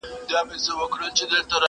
چي پر ځان یې د مرګي د ښکاري وار سو,